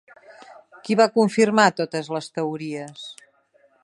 Qui va confirmar totes les teories?